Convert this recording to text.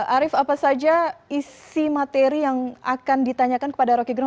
arief apa saja isi materi yang akan ditanyakan kepada roky gerung